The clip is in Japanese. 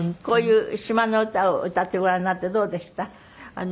こういう島の歌を歌ってご覧になってどうでした？